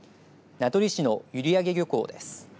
名取市の閖上漁港です。